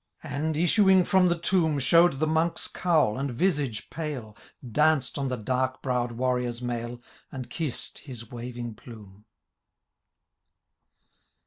And, issuing from the tomb, Showed the Menkes cowl, and visage pale. Danced on the dark brow'd WarriorTs mail, And kissed his waving plume.